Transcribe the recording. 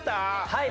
はい。